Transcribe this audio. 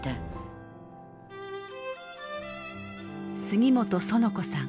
杉本苑子さん。